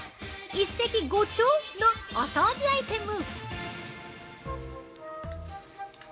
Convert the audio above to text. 一石五鳥のお掃除アイテム。